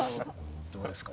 どうですか？